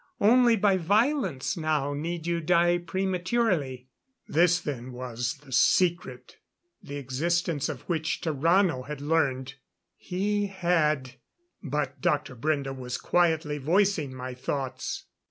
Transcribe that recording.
Only by violence now need you die prematurely." This then was the secret the existence of which Tarrano had learned. He had.... But Dr. Brende was quietly voicing my thoughts.